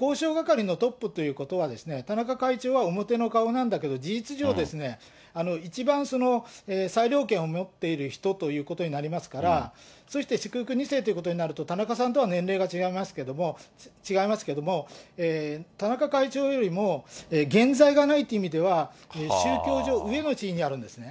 交渉係のトップということは、田中会長は表の顔なんだけど、事実上、一番、裁量権を持っている人ということになりますから、そして祝福２世ということになると、田中さんとは年齢が違いますけれども、田中会長よりも原罪がないという意味では、宗教上、上の地位にあるんですね。